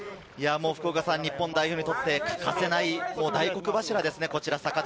日本代表にとって欠かせない大黒柱ですね。